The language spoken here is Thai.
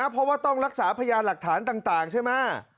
เพราะว่าต้องรักษาพยานหลักฐานต่างใช่ไหม